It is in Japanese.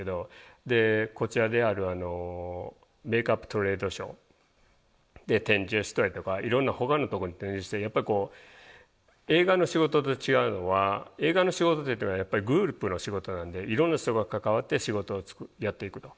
でこちらであるメイクアップトレードショーで展示をしたりとかいろんなほかのとこに展示してやっぱりこう映画の仕事と違うのは映画の仕事っていうのはやっぱりグループの仕事なんでいろんな人が関わって仕事をやっていくと。